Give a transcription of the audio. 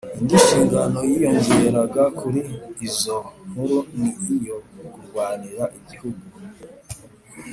indi shingano yiyongeraga kuri izo nkuru ni iyo kurwanira igihugu